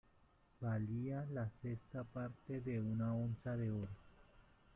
Valía la sexta parte de una onza de oro.